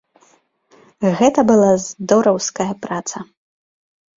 Гэта была здораўская праца!